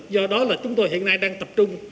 do đó là chúng tôi hiện nay đang tập trung